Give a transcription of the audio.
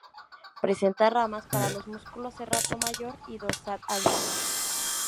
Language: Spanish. Presenta ramas para los músculos serrato mayor y dorsal ancho.